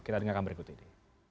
kita dengarkan berikut ini